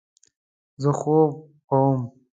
زه خوب کوم